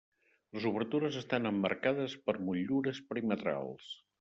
Les obertures estan emmarcades per motllures perimetrals.